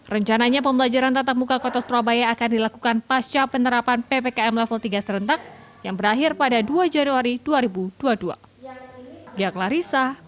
rencananya pembelajaran tatap muka kota surabaya akan dilakukan pasca penerapan ppkm level tiga serentak yang berakhir pada dua januari dua ribu dua puluh dua